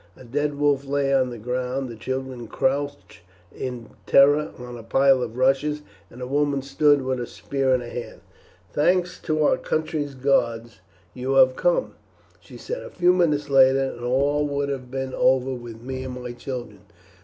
A dead wolf lay on the ground, the children crouched in terror on a pile of rushes, and a woman stood with a spear in her hand. "Thanks to our country's gods you have come!" she said. "A few minutes later and all would have been over with me and my children.